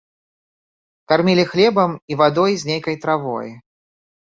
Кармілі хлебам і вадой з нейкай травой.